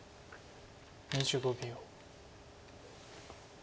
２５秒。